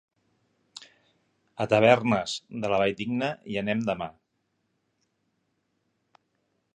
A Tavernes de la Valldigna hi anem demà.